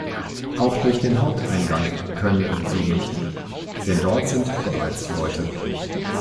Auch durch den Haupteingang können sie nicht, denn dort sind bereits Leute.